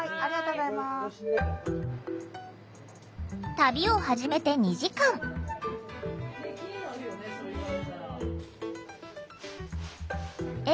旅を始めて２時間。笑